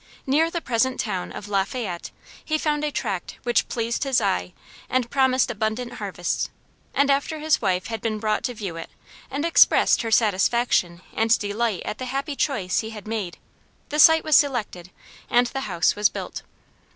Near the present town of LaFayette he found a tract which pleased his eye and promised abundant harvests, and after his wife had been brought to view it and expressed her satisfaction and delight at the happy choice he had made, the site was selected and the house was built.